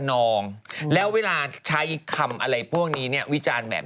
เห็นแล้วก็หิวตั้งทีอย่างนั้น